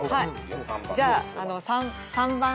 じゃあ３番。